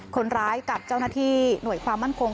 คนร้ายกับเจ้าหน้าที่หน่วยความมั่นคง